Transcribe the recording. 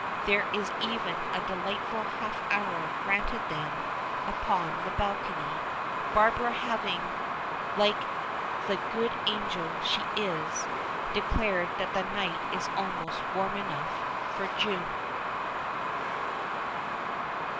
There is even a delightful half hour granted them upon the balcony, Barbara having like the good angel she is declared that the night is almost warm enough for June.